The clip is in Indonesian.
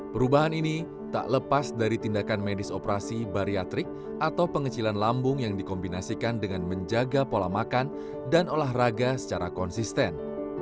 perubahan ini tak lepas dari tindakan medis operasi bariatrik atau pengecilan lambung yang dikombinasikan dengan menjaga pola makan dan olahraga secara konsisten